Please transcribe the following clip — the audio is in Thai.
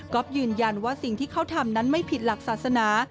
ก็ยืนยันว่าสิ่งที่เขาทำนั้นไม่ผิดหลักศาสนา